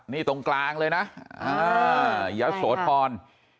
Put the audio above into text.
นี่ตรงกลางเลยนะยะโสธร